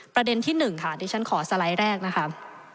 ประเด็นที่๑ค่ะดิฉันขอสไลด์แรกนะคะ